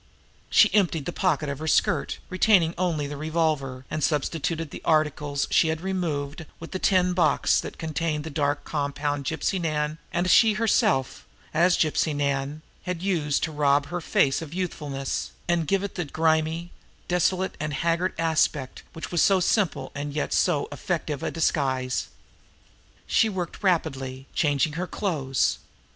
She emptied the pocket of her skirt, retaining only the revolver, and substituted the articles she had removed with the tin box that contained the dark compound Gypsy Nan, and she herself, as Gypsy Nan, had used to rob her face of youthfulness, and give it the grimy, dissolute and haggard aspect which was so simple and yet so efficient a disguise. She worked rapidly now, changing her clothes.